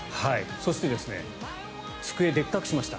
そして机をでっかくしました。